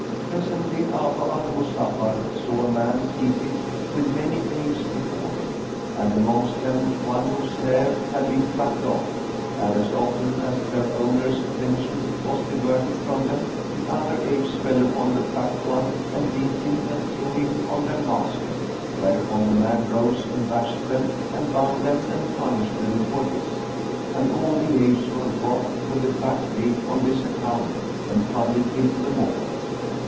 Presently Abu al Muzaffar saw a man seated, with many apes before him, and amongst them one whose hair had been plucked off; and as often as their owner's attention was diverted from them, the other apes fell upon the plucked one and beat him and threw him on their master; whereupon the man rose and bashed them and bound them and punished them for this; and all the apes were wroth with the plucked ape on this account and funded him the more.